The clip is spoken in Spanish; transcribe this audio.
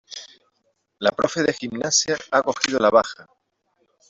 La profe de gimnasia ha cogido la baja.